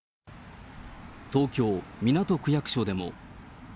東京・港区役所でも。